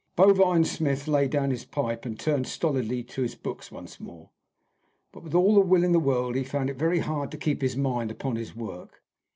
Bovine Smith laid down his pipe and turned stolidly to his books once more. But with all the will in the world, he found it very hard to keep his mind upon his work.